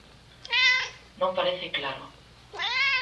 Non parece claro.